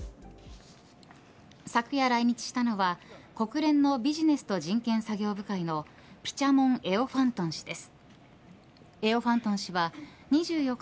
昨夜来日したのは国連のビジネスと人権作業部会のピチャモン・エオファントン氏です。